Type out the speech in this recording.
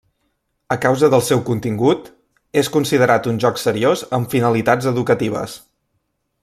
A causa del seu contingut, és considerat un joc seriós amb finalitats educatives.